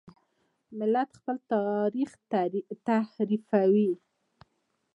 ملت خپل تاریخ تحریفوي.